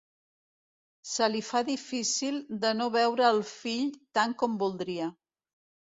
Se li fa difícil de no veure el fill tant com voldria.